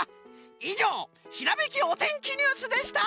いじょうひらめきおてんきニュースでした！